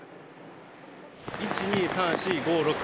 １、２、３、４、５、６。